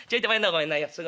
ごめんない。